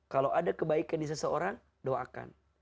kalau ada kebaikan di seseorang doakan